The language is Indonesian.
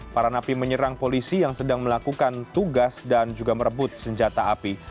para napi menyerang polisi yang sedang melakukan tugas dan juga merebut senjata api